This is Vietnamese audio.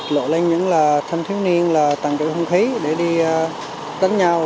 lộ lên những là thành thiếu niên là tăng trưởng không khí để đi đánh nhau